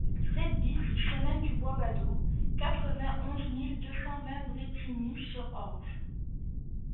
sept BIS chemin du Bois Badeau, quatre-vingt-onze mille deux cent vingt Brétigny-sur-Orge